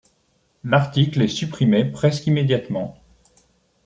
L'article est supprimé presque immédiatement.